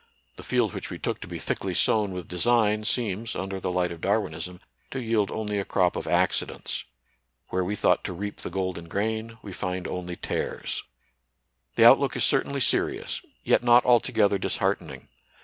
The field which we took to be thickly sown with design seems, under the light of Darwinism, to yield only a crop of accidents. Where we thought to reap the golden grain, we find only tares. 86 NATURAL SCIENCE AND RELIGION. The outlook is certainly serious, yet not alto gether disheartening.